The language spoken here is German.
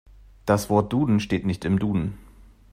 Das Wort Duden steht nicht im Duden.